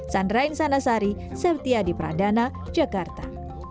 sandrain sanasari seperti adi pradana jakarta